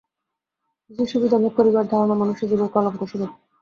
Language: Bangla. বিশেষ সুবিধা ভোগ করিবার ধারণা মনুষ্যজীবনের কলঙ্কস্বরূপ।